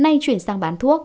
nay chuyển sang bán thuốc